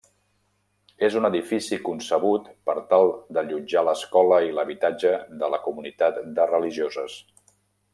És un edifici concebut per tal d'allotjar l'escola i l'habitatge de la comunitat de religioses.